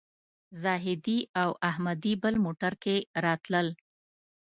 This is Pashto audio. زاهدي او احمدي بل موټر کې راتلل.